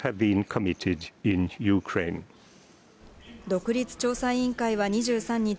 独立調査委員会は２３日、